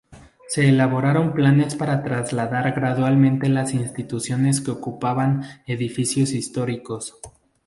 Se elaboraron planes para trasladar gradualmente las instituciones que ocupaban edificios históricos.